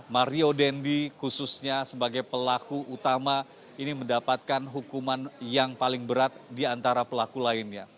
mario dendi khususnya sebagai pelaku utama ini mendapatkan hukuman yang paling berat di antara pelaku lainnya